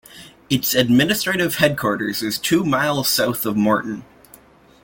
Its administrative headquarters is two miles south of Morton.